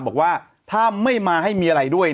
บอกว่าถ้าไม่มาให้มีอะไรด้วย